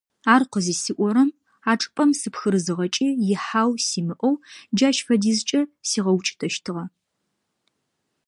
Ар къызысиӀорэм а чӀыпӀэм сыпхырызыгъэкӀи ихьау симыӀэу джащ фэдизкӀэ сигъэукӀытэщтыгъэ.